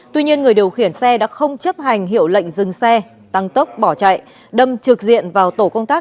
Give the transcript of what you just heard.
tuy nhiên người điều khiển xe đã không chấp hành hiệu lệnh dừng xe tăng tốc bỏ chạy đâm trực diện vào tổ công tác